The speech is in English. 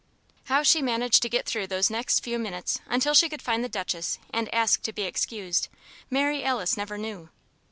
How she managed to get through those next few minutes until she could find the Duchess and ask to be excused, Mary Alice never knew.